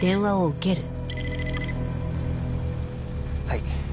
はい。